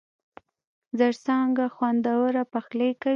زرڅانگه! خوندور پخلی کوي.